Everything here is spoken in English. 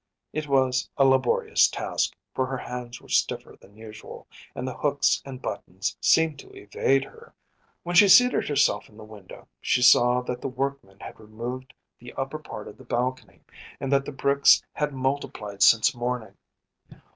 It was a laborious task, for her hands were stiffer than usual, and the hooks and buttons seemed to evade her. When she seated herself in the window, she saw that the workmen had removed the upper part of the balcony, and that the bricks had multiplied since morning.